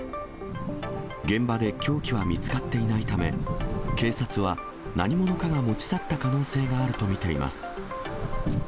現場で凶器は見つかっていないため、警察は何者かが持ち去った可能性があると見ています。